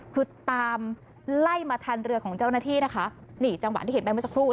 คือตามไล่มาทันเรือของเจ้าหน้าที่นะคะนี่จังหวะที่เห็นไปเมื่อสักครู่